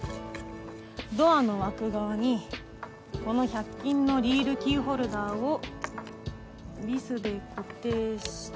ドアの枠側にこの百均のリールキーホルダーをビスで固定して。